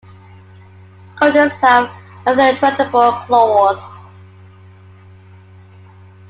Coatis have nonretractable claws.